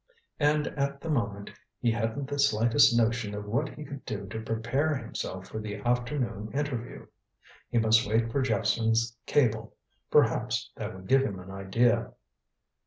And at the moment he hadn't the slightest notion of what he could do to prepare himself for the afternoon interview. He must wait for Jephson's cable perhaps that would give him an idea.